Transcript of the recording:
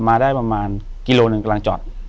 อยู่ที่แม่ศรีวิรัยิลครับ